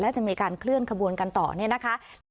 และจะมีการเคลื่อนขบวนกันต่อเนี่ยนะคะ